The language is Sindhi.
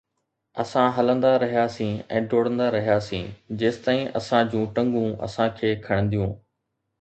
اسان هلندا رهياسين ۽ ڊوڙندا رهياسين جيستائين اسان جون ٽنگون اسان کي کڻنديون